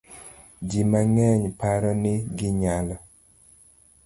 Ji mang'eny paro ni ginyalo